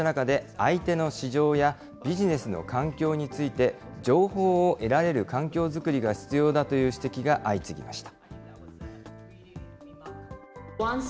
そうした中で、相手の市場やビジネスの環境について、情報を得られる環境作りが必要だという指摘が相次ぎました。